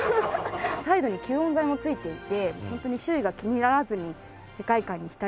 サイドに吸音材も付いていてホントに周囲が気にならずに世界観に浸れるような。